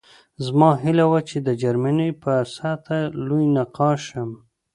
زما هیله وه چې د جرمني په سطحه لوی نقاش شم